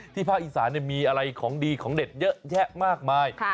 ภาคอีสานมีอะไรของดีของเด็ดเยอะแยะมากมาย